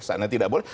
sana tidak boleh